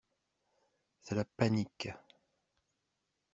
C'est la panique!